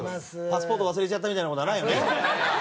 パスポート忘れちゃったみたいな事はないよね？